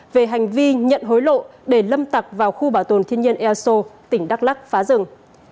về hành vi nhận hối lộ để lâm tặc vào khu bảo tồn thiên nhiên eso tỉnh đắk lắc phá rừng